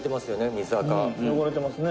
水田：「汚れてますね」